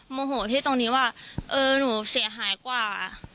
โมโหที่ตรงนี้ว่าเออหนูเสียหายกว่า